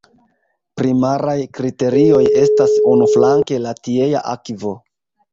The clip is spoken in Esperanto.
Primaraj kriterioj estas unuflanke la tiea akvo...